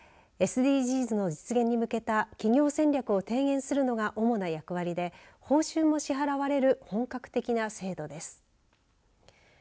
ＳＤＧｓの実現に向けた企業戦略を提言するのが主な役割で報酬も支払われる本格的な制度です。